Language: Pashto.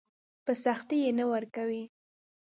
په سختي يې نه ورکوي.